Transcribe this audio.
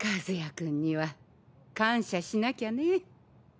君には感謝しなきゃね。